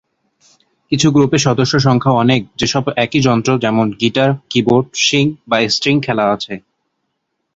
কিছু গ্রুপে সদস্য সংখ্যা অনেক যে সব একই যন্ত্র, যেমন গিটার, কীবোর্ড, শিং বা স্ট্রিং খেলা আছে।